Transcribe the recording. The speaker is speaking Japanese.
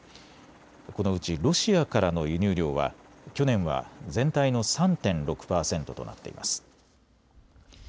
このうちロシアからの輸入量は去年は全体の３．６％となっています。